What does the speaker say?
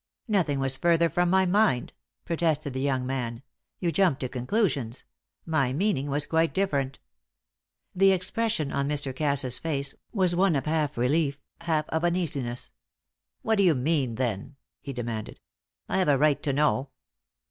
"Nothing was further from my mind," protested the young man. "You jump to conclusions; my meaning was quite different." The expression on Mr. Cass's face was one half of relief, half of uneasiness. "What do you mean, then?" he demanded. "I have a right to know."